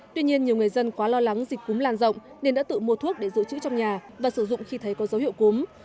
tuy nhiên nhiều người dân quá lo lắng dịch cúm lan rộng nên đã tự mua thuốc để giữ chữ trong nhà và sử dụng khi thấy có dấu hiệu cúm